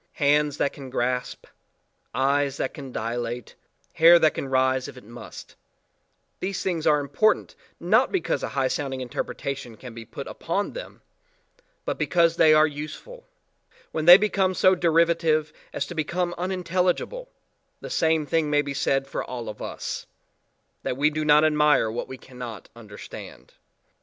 Hands that can grasp, eyes that can dilate, hair that can rise if it must, these things are important not because a high sounding interpretation can be put upon them but because they are useful; when they become so derivative as to become unintelligible/the same thing may be said for all of us that we do not admire what we cannot understand.